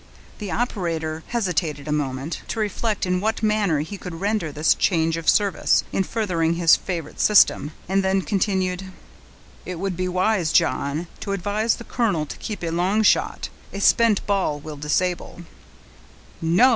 The operator hesitated a moment, to reflect in what manner he could render this change of service in furthering his favorite system, and then continued,— "It would be wise, John, to advise the colonel to keep at long shot; a spent ball will disable—" "No!"